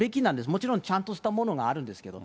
もちろんちゃんとしたものがあるんですけど。